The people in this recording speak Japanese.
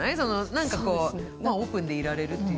なんかこうオープンでいられるっていう。